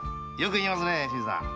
よく言いますね。